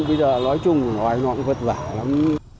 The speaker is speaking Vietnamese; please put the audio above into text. bây giờ nói chung nói nó cũng vất vả lắm